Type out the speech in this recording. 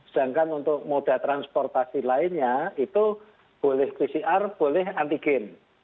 sedangkan untuk moda transportasi lainnya itu boleh pcr boleh antigen